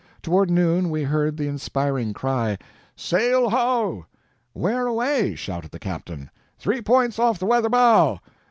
Toward noon we heard the inspiriting cry, "Sail ho!" "Where away?" shouted the captain. "Three points off the weather bow!"